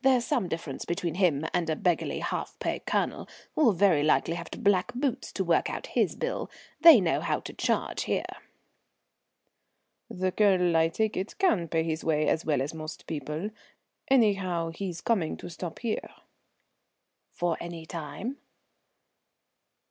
There's some difference between him and a beggarly half pay Colonel who will very likely have to black the boots to work out his bill. They know how to charge here." "The Colonel, I take it, can pay his way as well as most people. Anyhow, he's coming to stop here." "For any time?"